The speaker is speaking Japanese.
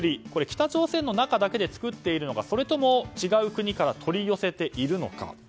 北朝鮮の中だけで作っているのかそれとも違う国から取り寄せているのか。